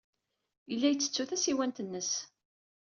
Yella yettettu tasiwant-nnes.